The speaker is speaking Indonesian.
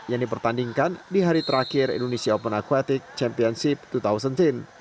yang dipertandingkan di hari terakhir indonesia open aquatic championship dua ribu sembilan belas